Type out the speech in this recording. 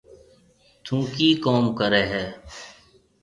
ٿُون ڪِي ڪوم ڪري هيَ۔